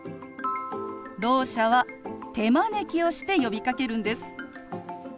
ろう者は手招きをして呼びかけるんです。